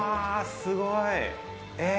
すごい！ええ！